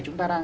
chúng ta đang